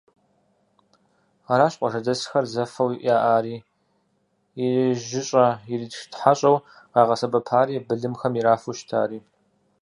Аращ къуажэдэсхэр зэфэу яӏари, ирижьыщӏэ-иритхьэщӏэу къагъэсэбэпари, былымхэм ирафу щытари.